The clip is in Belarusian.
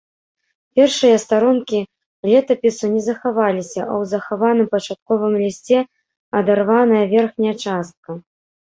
Першыя старонкі летапісу не захаваліся, а ў захаваным пачатковым лісце адарваная верхняя частка.